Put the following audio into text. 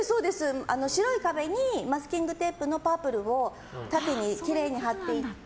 白い壁にマスキングテープのパープルを縦にきれいに貼っていって。